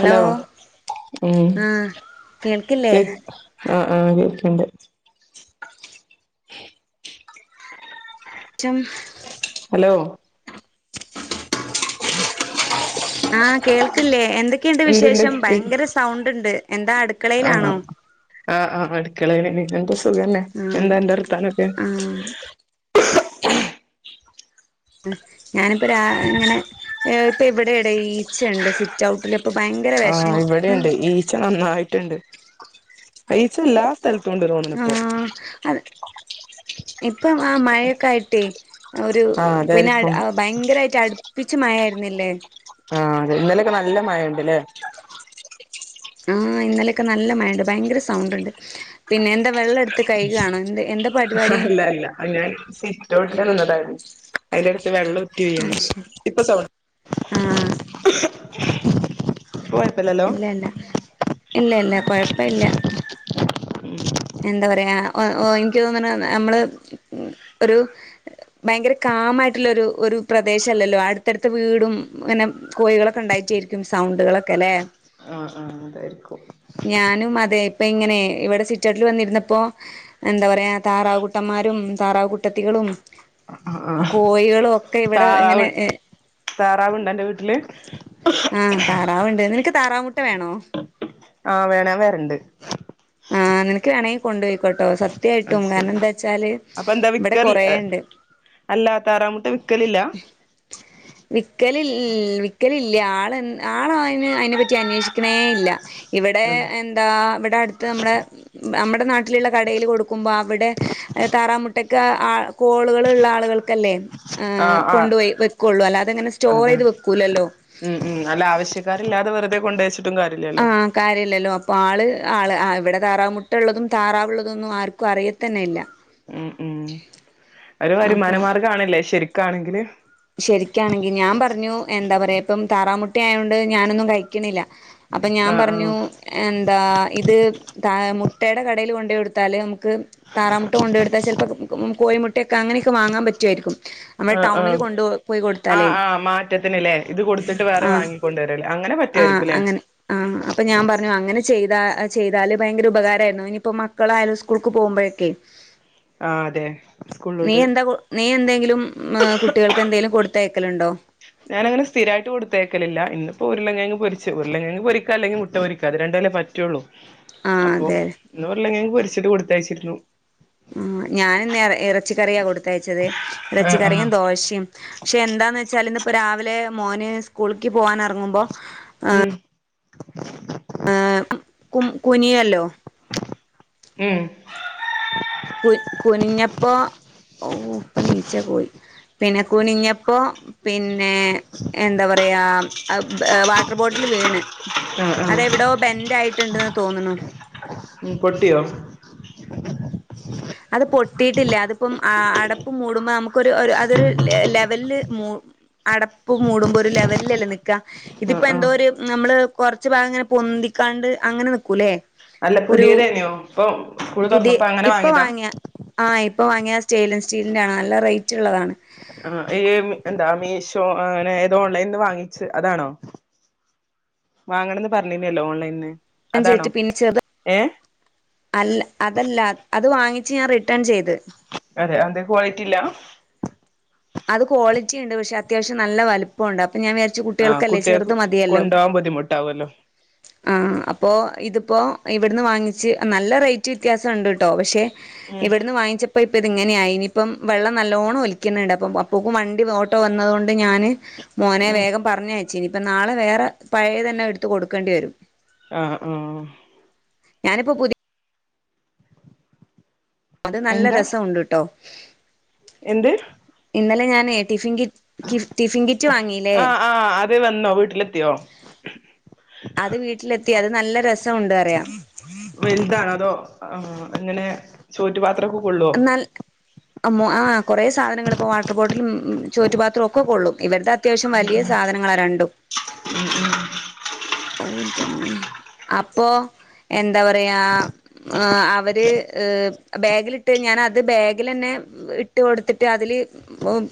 Hello ഉം ആഹ് കേൾക്കില്ലേ കേ അഹ് ആഹ് കേക്ക്ണ്ട്. റ്റും ഹലോ ആഹ് കേൾക്ക്ല്ലേ എന്തൊക്കെയ്ണ്ട് ഇണ്ട്ണ്ട് വിശേഷം. ഭയങ്കര സൗണ്ട്ണ്ട്. എന്താ ആഹ് അടുക്കളയ്ലാണോ? ആഹ് ആഹ് അട്ക്കളേലെന്നെ. എന്താ സുഖല്ലെ. ആഹ് എന്ത അന്റെ വർത്താനൊക്കെ ആഹ് ഞാനിപ്പരാ ഇങ്ങനെ ഇപ്പ ഇവ്ടെ എടെ ഈച്ചണ്ട് സി റ്റൗട്ട്ല് പ്പൊ ബയ ആഹ്. ഇവടിണ്ട് ഈച്ച നന്നായിട്ട്ണ്ട്. ഈച്ചല്ലാ സ്ഥൽത്തുണ്ട്‌ തോന്ന്ണ്പ്പോ അതെ, ഇപ്പം ആ മഴയൊക്കെ ആയ്ട്ടെ. ഒരു, ആഹ് പിന്നഅട്, അതായിരിക്കും ഭയങ്കരായിട്ട് അട്പ്പിച്ച് മയര്ന്നില്ലേ? ആഹ് അതെ ഇന്നലൊക്കെ നല്ല മഴയ്ണ്ട്ലേ ആഹ് ഇന്നലെക്കെ നല്ല മയണ്ട്, ഭയങ്കര സൗണ്ട്ണ്ട്, പിന്നെ എന്താ വെള്ളട്ത്ത് കയ്കാണോ എന്ത എന്തപ് അല്ല അല്ല ഞാൻ സിറ്റ്ഔട്ടിൽ നിന്നതായ്രുന്നു. അയ്ന്റെ അടുത്ത് വെള്ളം ഉറ്റി വീഴുന്നുണ്ട് അയ്ശെരി ഇപ്പൊ സൗണ്ട് ആഹ് [inaudible] പ്പ കൊയപ്പല്ലൽ ഇല്ല ഇല്ല. ഇല്ല ഇല്ല കൊയപ്പം ഇല്ല. എന്താ പറയാ ഓ ഓ ഇൻക്ക് തോന്ന്ണു നമ്മള് ഒരു ഭയങ്കര കാമായ്ട്ട്ള്ളൊരു ഒരു പ്രദേശല്ലല്ലോ,, അട്ത്തത്തട്ത്ത വീടും പിന്നെ കോയികളൊക്കെണ്ടായിട്ടേരിക്കും സൗണ്ടുകളൊക്കെ ലേ ആഹ് ആഹ് അതായ്രിക്കും. ഞാനും അതെ ഇപ്പ ഇങ്ങനെ ഇവ്ടെ സി റ്റൗട്ടിൽ വന്നിര്പ്പോ എന്ത പറയാ താറാവ് കുട്ടമ്മാരും താറാവ് കുട്ടത്തികളും ആഅആഹ് കോയ്ളു ഒ താറാവ് താറാവ്ണ്ടന്റെ വീട്ടില് ആഹ് താറാവ്ണ്ട്, നിനക്ക് താറാവ് മുട്ട വേണോ? ആഹ് വേണം. ഞാൻ വെരണ്ട്. ആഹ് നിനക്ക് വേണെങ്കി കൊണ്ട് പൊയ്ക്കൊ ട്ടോ സത് അത് ത്യായിട്ടും. ശരി കാരണം ന്താച്ചാല് വടെ കൊറേണ്ട്. അല്ലാ താറാമുട്ട വിക്കലില്ല? വിക്കല്ൽ വിക്കലില്യ ആള് ആളയ്ന് അയ്നെപ്പറ്റി അന്വേഷിക്ക്‌ണേല്ല. ഇവ്ടെ ഉം എന്താ ഇവ്ടട്ത്ത് നമ്മടെ നമ്മടെ നാട്ടില്ള്ള കടേല് കൊടുക്കുമ്പോ അവ്ടെ താറാമുട്ടക്ക് ആ കോള്കള് ള്ള ആളുകൾക്കല്ലേ? ഏഹ് ആഹ് ആഹ് കൊണ്ടോയി വെക്ക്വള്ളൂ. അല്ലാതെങ്ങനെ അതാ സ്റ്റോറെയ്ത് വെക്കൂല്ലല്ലോ. ഉം ഉം അല്ല ആശ്യക്കാരില്ലാതെ വെറുതെ കൊണ്ടുവെച്ചിട്ടും കാര്യല്ലല്ലോ കാര്യല്ലല്ലോ. പ്പോ ആള് ആള് ഇവ്ടെ താറാമുട്ടള്ളതും താറാവ്ള്ളതൊന്നും ആർക്കും അറിയത്തന്നെ ഇല്ല. ഉ ഉം ഒര് വര്മാനമാർഗ്ഗാണ്ലേ ശെരിക്കാണെങ്കില് ശെരിക്കാണെങ്കി, ഞാൻ പറഞ്ഞു എന്താ പറയാ ഇപ്പം താറാമുട്ടയായോണ്ട് ഞാനൊന്നും കഴിക്ക്‌ണില്ല. അപ്പ ആഹ് ആഹ് ഞാമ്പറഞ്ഞു എന്താ ഇത് താ മുട്ടേടെ കടേല് കൊണ്ടയൊട്ത്താല് നമ്മക്ക് താറാമുട്ട കൊണ്ടയൊടുത്താ ചെൽപ്പോ കോയിമുട്ടയൊക്കെ അങ്ങനെയൊക്കെ വാങ്ങാൻ പറ്റുവാരിക്കും. നമ്മടെ ആഹ് ടൗണില് ആഹ് കൊണ്ട്പൊ പോയി കൊടുത്താലേ ആഹ് ആഹ് ആഹ് കൊണ്ടുരല് അങ്ങനെപ ആഹ് അങ്ങനെ ആ അപ്പ ഞാൻ പറഞ്ഞു അങ്ങനെ ചെയ്ത ചെയ്താല് ഭയങ്കര ഉപകാരായ്രുന്നു ഇനിപ്പ മക്കളായാലും സ്കൂൾക്ക് പോകുമ്പൊഴൊക്കെ ആഹ് അതെ സ്കൂൾലോട്ട് എന്താ നീ എന്തെങ്കിലും ഏഹ് കുട്ടികൾക്ക് എന്തേലും കൊടുത്തയക്കലുണ്ടോ ഞാനങ്ങനെ സ്ഥിരായിട്ട് കൊടുത്തയക്കലില്ല ഇന്നിപ്പോ ഉരുളംകിഴങ്ങ് പൊരിച്ചു ഉരുളംകിഴങ്ങ് പൊരിക്ക അല്ലെങ്കി മുട്ട പൊരിക്ക കതിരൊണ്ടെലെ പറ്റുവൊള്ളൂ ആഹ് അപ്പം അതെ ഇന്ന് ഉരുളംകിഴങ്ങ് പൊരിച്ചിട്ട് കൊടുത്തയച്ചിരുന്നു ഉം ഞാനിന്ന് എർ എറച്ചിക്കറിയാ കൊടുത്തയച്ചത് ആഹ് ആഹ് എറച്ചിക്കറിയും ദോശിം ക്ഷെ എന്താന്ന് വെച്ചാല് ഇന്നിപ്പ രാവിലെ മോന് സ്കൂളീക്ക് പോകാൻ എറങ്ങുമ്പം ഉം ആഹ് കും കുനിയല്ലോ. ഉം. കുൻ കുനിഞ്ഞപ്പോ ഔഹ് പ്പൊ നീച്ചാ കോയി. പിന്നെ കുനിഞ്ഞപ്പോ പിന്നെ എന്താ പറയാ വാട്ടർ ബോട്ടില് വീണ് ആഹ് ആഹ് അതെവിടോ ബെന്റ് ആയിട്ടുണ്ടെന്ന് തോന്നുണു ഉം പൊട്ടിയോ അത് പൊട്ടിയിട്ടില്ല. അതിപ്പം ആ അടപ്പ് മൂടുമ്പോ നമ്മക്കൊരു ഒരു അതൊരു ലെ ലെവൽല് മൂ അടപ്പ് മൂടുമ്പം ഒരു ലെവലിലല്ലേ നിക്ക്‌ ക്ക ആഹ് ഇതിപ്പം ആഹ് എന്തോരു നമ്മള് കൊറച്ചു ഭാഗം ഇങ്ങനെ പൊന്തിക്കാണ്ട് അങ്ങനെ നിക്കൂല്ലേ അല്ല പുതിയതേനിയോ ഇപ്പൊ സ്കൂള് പുതിയ തുറന്നപ്പോ അങ്ങനെ ഇപ്പൊ വാങ്ങിയതാ വാങ്ങിയ ആഹ് ഇപ്പൊ വാങ്ങിയ സ്റ്റെൻലെസ് സ്റ്റീലിന്റെ ആണ് നല്ല റേറ്റ് ഉള്ളതാണ് ആഹ് ഈഹ് എന്താ മീഷോ അങ്ങനെ ഏതോ ഓൺലൈനീന്ന് വാങ്ങിച്ച് അതാണോ വാങ്ങണം ന്ന് പറഞ്ഞീനല്ലോ ഓൺലൈന്ന് അൻഞ്ചേറ്റ് പിന്നിച്ചെത് അല്ല അതല്ല അത് വാങ്ങിച്ച് ഞാൻ റിട്ടേൺ ചെയ്ത് അതെ എന്തെ ക്വാളിറ്റി ഇല്ല അത് ക്വാളിറ്റി ഇണ്ട് പക്ഷേ അത്യാവശ്യം നല്ല വലുപ്പം ഒണ്ട് അപ്പം ഞാൻ വിചാരിച് ച്ചു ആഹ് കുട്ടികൾക്കല്ലേ കുട്ടികൾക്ക് ചെറുത് മതിയല്ലോ കൊണ്ടോവാൻ ബുദ്ധിമുട്ടാവല്ലോ ആഹ് അപ്പോ ഇതിപ്പോ ഇവിട്ന്ന് വാങ്ങിച്ച് നല്ല റേറ്റ് വ്യത്യാസം ഉണ്ട് ട്ടോ. പഷേ, ഉം ഇവിടന്ന് വാങ്ങിച്ചപ്പോ ഇപ്പ ഇത് ഇങ്ങനെയായി ഇനിയിപ്പം വെള്ളം നല്ലോണം ഒലിക്കുന്നുണ്ട് അപ്പോക്കും വണ്ടി ഓട്ടോ വന്നത് കൊണ്ട് ഞാന് മോനെ ഉം വേഗം പറഞ്ഞയ ച്ചിനിപ്പം ന്നാളെ വേറെ പഴയേതന്നെ ഇട്ത്ത് കൊട്ക്കണ്ടിരും. ആഹ് ആഹ് ഞാനിപ്പ പുതി അത് നല്ല എന്താ രസം ഉണ്ട്ട്ടോ എന്ത് ഇന്നലെ ഞാന് ടിഫിൻ കിറ്റ് ടിഫിൻ കിറ്റ് വാങ്ങില്ലേ ആഹ് ആഹ് വന്നോ വീട്ടിലെത്തിയോ അത് വീട്ടിലെത്തി അത് നല്ല രസം ഉണ്ട് അറിയാ വെൽതാണോ അതോ ആഹ് എങ്ങനെ ചോറ്റുപാത്രൊക്കെ കൊള്ളുവോ? അമ്മു ആഹ് കൊറേ സാധനങ്ങളിപ്പം വാട്ടർ ബോട്ടിലും ചോറ്റുപാത്രവും ഒക്കെ കൊള്ളും ഇവരുടെ അത്യാവശ്യം വലിയ സാധനങ്ങളാ രണ്ടും. ഉം ഉം ഔ ഇന്റെ ഇമ്മെ അപ്പൊ എന്താ പറയാ അവര് ഏഹ് ബാഗിലിട്ട് ഞാനത് ബാഗിലന്നെ ഇട്ട് കൊട്ത്ത്ട്ട് അതില് ഉം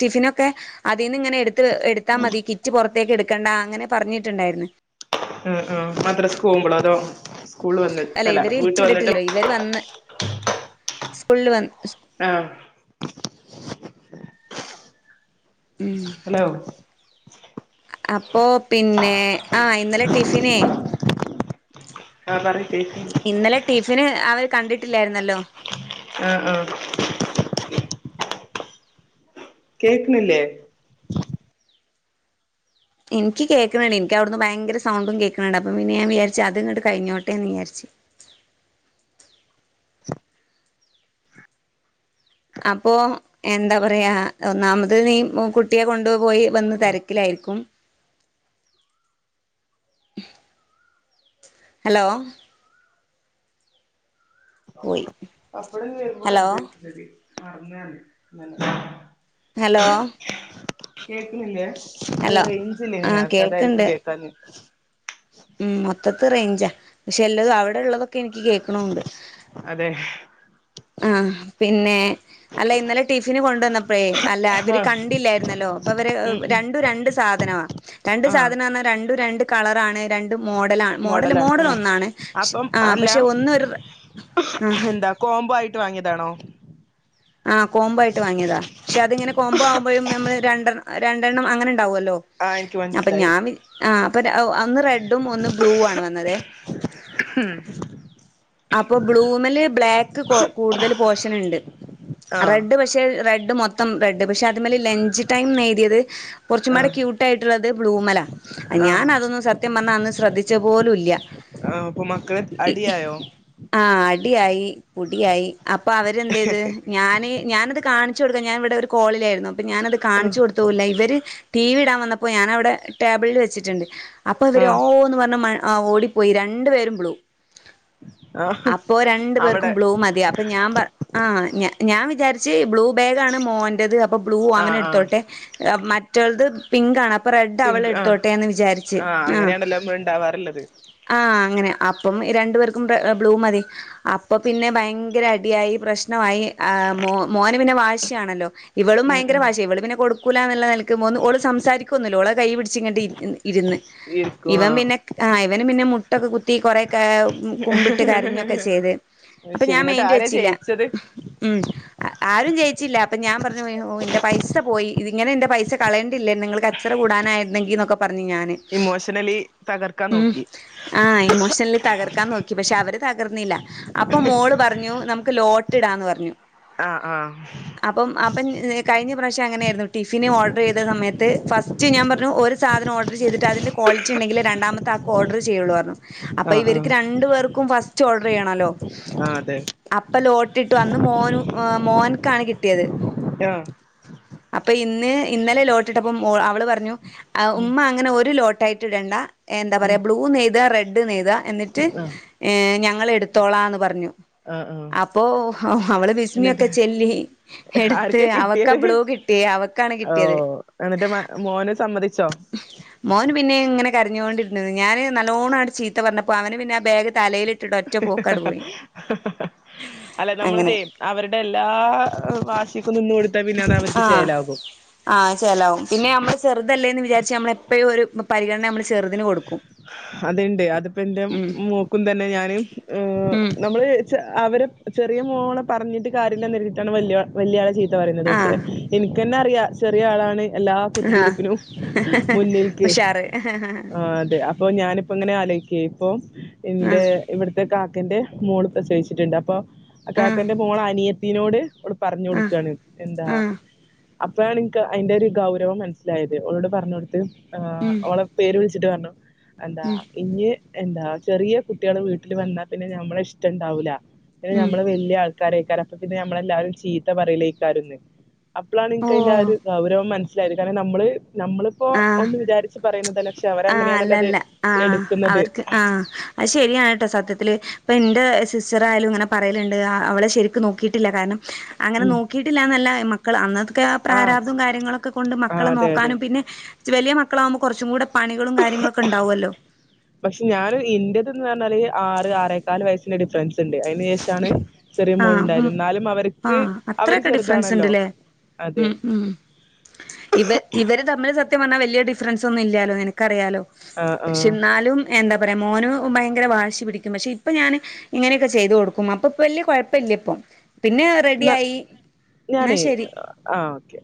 ടിഫിനൊക്കെ അതിന്ന് ഇങ്ങനെടുത്ത് എടുത്താ മതി കിറ്റ് പുറത്തേക്ക് എടുക്കണ്ട അങ്ങനെ പറഞ്ഞി ട്ടുണ്ടായിരുന്ന് ആഹ് ആഹ് മദ്രസ്ക് പോകുമ്പളോ അതോ സ്കൂൾ വന്നി അല്ല ഇവര് വീട്ട് കിറ്റ് വന്നിട്ട് കണ്ടിട്ടില്ല ഇവര് വന്ന് സ്കൂളിൽ വന്ന് സ് ആഹ് ഉം ഹലോ.. അപ്പോ പിന്നെ.,. ആ ഇന്നലെ ടിഫിനേ ആ പറി കേക്ക്‌ണ് ണ്ട്. ഇന്നലെ ടിഫിന് അവയ് കണ്ടിട്ടില്ലായിരുന്നല്ലോ. ആ ആഹ് കേക്ക്ണില്ലേ? ഇന്ക് കേൾക്കുണ് ണ്ട് ഇന്ക്കവിടുന്ന് ഭയങ്കര സൗണ്ടും കേൾക്കുണ് ണ്ട് അപ്പ പിന്നെ ഞാൻ വിചാരിച് അതിങ്ങട്ട് കഴിഞ്ഞോട്ടന്ന് വിചാരിച്ചു. അപ്പോ.. എന്താ പറയാ ഒന്നാമത് നീ മ് കുട്ടിയെ കൊണ്ട് പോയി വന്ന് തിരക്കിലായിരിക്കും. [inaudible] ഹലോ പോയി ഹലോ [inaudible] ഹലോ കേക്കണില്ലേ ഹലോ റേഞ്ചില്ലയ്നു ആ നേരത്തെ അതായിരിക്കും കേൾക്കണ്ട് കേക്കാഞ്ഞ്. ഉം മൊത്തത്തെ റേഞ്ചാ ക്ഷെ എല്ലാതും അവിടെള്ളതൊക്കെ എനിക്ക് കേൾക്കണുണ്ട്. അതെഹ് ആഹ് പിന്നെ.. അല്ല ഇന്നലെ ടിഫിന് കൊണ്ടന്നപ്പഴേ അല്ല അവര് ആഹ് കണ്ടില്ലായിരുന്നല്ലോ പ്പൊവര് ഉം ഉം രണ്ടു രണ്ട് സാധനവാ രണ്ട് ആഹ് സാധനാർഞ്ഞരണ്ടും രണ്ട് കളറാണ് രൻ ണ്ട് മോഡലാണ് മോഡൽ മോഡലാണ് മോഡൽ ഉം അപ്പം ഒന്നാണ്ആ അല്ല പക്ഷെ ഒന്ന് ഒരു ആ കോംബോയിട്ട് വാങ്ങിയതാണോ? ആ കോമ്പായിട്ട് വാങ്ങിയതാ ക്ഷെ അതിങ്ങനെ കോംമ്പോ ആവുമ്പഴും നമ്മള് രണ്ടെ രണ്ടെണ്ണം അങ്ങനെണ്ടാവുവല്ലോ? ആ എനിക്ക് അപ്പൊ മനസ്സിലായി ഞാൻ വി ആ അപ്പൊഅ അന്ന് റെഡും ഒന്ന് ബ്ലൂ ആണ് വന്നത്. ഹ് ഹം അപ്പൊ ബ്ലൂമല് ബ്ലാക്ക് കോ കൂടുതൽ പോഷന്ണ്ട് ആ റെഡ്പറ്റ് ക്ഷേ റെഡ് മൊത്തം റെഡ് പക്ഷെ അതമ്മൽ ലഞ്ച് ടൈംന്നെ യ്തിയത് കുറച്ചും ആ പാടെ ക്യൂട്ടായിട്ടുള്ളത് ബ്ലൂമല. ആ ഞാനതൊന്നും സത്യം പറഞ്ഞാ അന്ന് ശ്രദ്ധിച്ച പോലും ഇല്ല. പ്പൊ മക്കള് അടിയായൊ? ആ അടിയായി പുടിയായി അപ്പൊ അവരെന്തേയ് തെ? ഞാന് ഞാനത് കാണിച്ച കൊടുക്ക ഞാൻ ഇവിടെ ഒരു കോളിലയിരുന്നു അപ്പൊ ഞാനത് ആ കാണിച്ചു കൊടുത്ത ല്ല ഇവര് ടി വി ഇടാൻ വന്നപ്പോ ഞാനവിടെ ടേബിളിൽ വെച്ചിട്ടുണ്ട്. ഹ് അപ്പൊ ആ വര് ഓന്ന് പറഞ്ഞ് ഓടിപ്പോയി രണ്ടു പേരും ബ്ലു. ആ അപ്പോ രണ്ടു പേർക്കും അവിടെ ബ്ലൂ മതി. അപ്പൊ ഞാൻ പറ ആ ഞ ഞാൻ വിചാരി ഏ ബ്ലൂ ബാഗണ് മോന്റെത് അപ്പൊ ബ്ലൂ ആ അവന് ആ എടുത്തോട്ടെ മറ്റൊൾത് പി ങ്കാണ് അപ്പൊ റെഡ് അവളെ പിങ്ക് ആ ടുത്തോട്ടെന്ന് വിചാരിച്ച് ആ അങ്ങനെയാണല്ലോ നമ്മൾ ഉണ്ടാവാറുള്ളത് ആ ആഹ് അങ്ങനെ അപ്പം രണ്ടു പേർക്കും റെബ്ലൂ മതി. അപ്പൊ പിന്നെ ഭയങ്കര അടിയായി പ്രശ്നവാ യി ആ മോ മോന് പിന്നെ വാശിയാണല്ലോ. ഇവളും ഉം ഭയങ്കര ഉം വാശിയ ഇവൾ പിന്നെ കൊടുക്കൂ ലാന്ന്ള്ള നില ഒന് ഓള് സംസാരിക്കൊന്നുല്ല ഓളത് കയ്യി പിടിച്ച് ങ്ങട്ട് ഇര് ഇരുന്ന് ഇരിക്കും ആ ഇവൻ പിന്നെ ആ ഇവന് പിന്നെ മുട്ടൊക്കെ കുത്തി കൊറെ കേ കുമ്പി കരഞ്ഞൊക്കെ ചെയ്ത് അപ്പൊ ശരി ഞാൻ എന്നിട്ട് മെയ്ന്റ് ആരാ വച്ചില്ല ജയിച്ചത് മ് അ ആരും ജയിച്ചില്ല അപ്പൊ ഞാൻ പറഞ്ഞു ഓ ന്റെ പൈസ പോയി ഇത് ങ്ങനെ ന്റെ പൈസ കളയേണ്ടില്ലന്ന് നിങ്ങ ക ച്ചറകൂടാനായിരുന്നെങ്കി ന്നൊക്കെ പറഞ്ഞുഞാൻ. ഇമോഷണലി തകർക്കാൻ മ് നോക്കി ആ ഇമോഷണലി തകർക്കാൻ നോക്കി പക്ഷേ അവ ർന്നില്ല അപ്പൊ മോള് പറഞ്ഞു നമുക്ക് ലോട്ട് ഇടാന്ന് പറഞ്ഞു. ആ ആ അപ്പം അപ്പം കഴിഞ്ഞ ഇപ്രാവശ്യം അങ്ങനെയായിരുന്നു ടിഫിന് ഓർഡർ ചെയ്ത സമയത്ത് ഫസ്റ്റ് ഞാൻ പറഞ്ഞു ഒരു സാധനം ഓർഡർ ചെയ്തിട്ട് അതിന്റെ ക്വാളിറ്റിണ്ടെങ്കിലേ രണ്ടാമത്തെ ആക്ക് ഓർഡർ ചെയ്യുള്ളു അപ്പൊ ആ ആ ഇവർക്ക് രണ്ടു പേർക്കും ഫസ്റ്റ് ഓഡർ ചെയ്യണല്ലോ ആ അതെ അപ്പ ലോട്ടിട്ട് അന്ന് മോന് മോൻക്കാണ് കിട്ടിയത് ആഹ് അപ്പൊ ഇന്ന് ഇന്നലെ ലോട്ടിട്ടപ്പം ഓ അവള് പറഞ്ഞു ആ ഉം ഉമ്മ അങ്ങനെ ഒരു ലോട്ട് ആയിട്ട് ഇടണ്ട എന്താ ഉം പറയാ ബ്ലൂന്നെയ്താ റെഡ് നെയ്താ എന്നിട്ട് ആ ഏ ഞങ്ങള് എടുത്തോളാന്ന് പറഞ്ഞു ആ ആ അപ്പോ അവള് ബിസ്മിയൊക്കെ എന്നിട്ട് ചെല്ലി എടുത്ത് അവക്ക് ബ്ലൂ കിട്ടി ട്ടീ അവക്കാണ് കിട്ടിയത് ഓഹ് എന്നിട്ട് മ മോന് സമ്മതിച്ചോ മോന് പിന്നെ ഇങ്ങനെ കരഞ്ഞുകൊണ്ടിരുന്നത് ഞാന് നല്ലോണാണ്ട് ചീത്ത പറഞ്ഞപ്പോ അവന് പിന്നെ ആ ബാഗ്തലയിലിട്ട് അല്ല അങ്ങനെ നമ്മൾതേയ് അവരുടെ എല്ലാ വാഷിക്കും നിന്ന്കൊടു ആഹ് ആഹ് അത്‌ ചേലാവും പിന്നെ നമ്മള് ചെറുതല്ലേ എന്ന് വിചാരിച്ച് നമ്മളെപ്പഴും ഒരു പരിഗണന നമ്മ ചെറുതിന് കൊടു ക്കും അത്ണ്ട് അതിപ്പ എന്റെ മോ മോക്കും തന്നെ ഞാന് ആഹ് ഉം നമ്മള് അവരെ ചെറിയ മോളെ പറഞ്ഞിട്ട് കാര്യല്ലന്നെര്തീട്ടാണ് വല്ല്യ വല്ല്യാളെ ചീത്ത പറയുന്നത് പക്ഷേ ആഹ് എനിക്ക് ക്കന്നെ അറിയാ ചെറിയ ആളാണ് എല്ലാ കുത്തിതിരിപ്പിനും മുന്നിൽക്ക് ണ്ട് ആഹ് അതെ അപ്പൊ ഞാനിപ്പോ ഇങ്ങനെ ആലോയിക്കേയ് ഇപ്പൊ ഇന്റെ ആഹ് ഇവിടുത്തെ കാക്കന്റെ മോള് പ്രസവിച്ചിട്ടുണ്ട് അപ്പൊ ആ ആഹ് കാക്കന്റെ മോളെ അനിയത്തിനോട് ഓള് പറഞ്ഞു കൊടുക്കാണ് എന്താ ആഹ് അപ്പോഴാണ്ൻക്ക് അയിന്റെ ഒരു ഗൗരവം മൻസ്സിലായത് ഓളോട് പർഞ്ഞൊട്ത്ത് ആഹ് ഉം ഓളെ പേര് വിൾച്ച് ട്ട് പറഞ്ഞു എന്താ ഉം ഇഞ്ഞി എന്താ ചെറിയ കുട്ടികള് വീട്ടിൽ വന്നാ പിന്നെ ഞമ്മള ഇഷ്ടണ്ടാവൂല പിന്നെ ഉം ഞമ്മള് വല്ല്യ ആൾക്കാരയ്ക്കാരം അപ്പ പിന്നെ നമ്മളെ എല്ലാരും ചീത്ത പറലയ്ക്കാരംന്ന് അപ്പളാണ് ഇൻക്കയ്ന്റെ ആ ഓഹ് ഒരു ഗൗരവം മനസ്സിലായത് കാരണം നമ്മള് നമ്മളിപ്പോ ആഹ് ഒന്ന് വിചാരിച്ച് പറയുന്നതല്ല പക്ഷെ ആഹ് അല്ല അവരങ്ങനെയാണല്ലോ അത് അല്ല ആഹ് എടുക്കുന്നത് അവര്ക്ക് ആഹ് അത് ശരിയാണ് കെട്ടോ സത്യത്തില് ഇപ്പന്റെ സിസ്റ്ററായാലും ഇങ്ങനെ പറയലുണ്ട് അവളെശരി ക്ക് നോക്കിയിട്ടില്ല കാരണം അങ്ങനെ ഉം നോക്കിയിട്ടില്ല എന്നല്ല മക്കള് അന്നൊക്കെ ആ പ്രാരാബ്തും കാര്യങ്ങളൊക്കെ കൊണ്ട് ആ മക്കളെ അതെ അതെ നോക്കാനും പിന്നെ ച്ച് വല്ല്യ മക്കളാവകുമ്പോ കൊർച്ചും കൂടെ പണികളും കാര്യങ്ങളും ഒക്കെണ്ടാവുമല്ലോ പക്ഷേ ഞാൻ ഇന്റത് എന്ന് പറഞ്ഞാല് ആറ് ആറേക്കാല് വയസ്സിന്റെ ഡിഫറൻസ്ണ്ട് അതിന് ശേഷാണ് ചെറിയ ആഹ് ഉം മോളുണ്ടായിരുന്നു ന്നാലും അവർക്ക് ആഹ് അവര് അത്രയൊക്കെ ഡിഫറൻസ് ചെറുതാണല്ലോ ഉണ്ട്ല്ലേ അതെ ഉം ഉം ഇവ ഇവര് തമ്മില് സത്യം പറഞ്ഞാ വലിയ ഡിഫറൻസൊന്നും ഇല്ലാലോ നിനക്കറിയാലോ ആ ആ പക്ഷേ ന്നാലും എന്താ പറയാ മോനും ഭയങ്കര വാശി പിടിക്കും പക്ഷേ ഇപ്പൊ ഞാന് ഇങ്ങനെയൊക്കെ ചെ ചെയ്ത് കൊടുക്കും അപ്പൊ ഇപ്പ വല്ല്യ കുഴപ്പല്ല ഇപ്പൊ പിന്നെ റെഡി ആയി ന്നാ ശരി ആഹ് ഓക്കെ